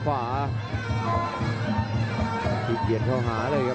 พยายามจะไถ่หน้านี่ครับการต้องเตือนเลยครับ